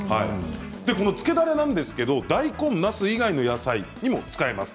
このつけだれなんですけれども大根なす以外に野菜にも使えます。